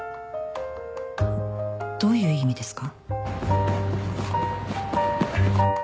どういう意味ですか？